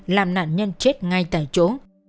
làm nạn nhân chết ngay tại chỗ